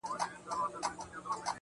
گرانه شاعره صدقه دي سمه.